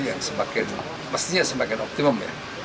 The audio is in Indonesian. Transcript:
yang semakin pastinya semakin optimum ya